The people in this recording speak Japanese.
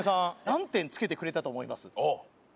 何点つけてくれたと思います？